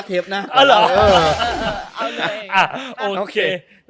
ก็อย่างนั้น